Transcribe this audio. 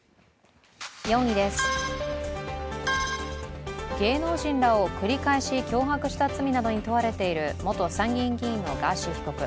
４位です、芸能人らを繰り返し脅迫した罪などに問われている元参議院議員のガーシー被告。